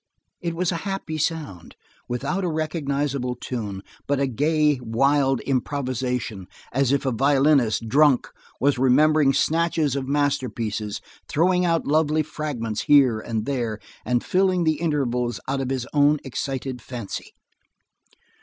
It was a happy sound, without a recognizable tune, but a gay, wild improvisation as if a violinist, drunk, was remembering snatches of masterpieces, throwing out lovely fragments here and there and filling the intervals out of his own excited fancy.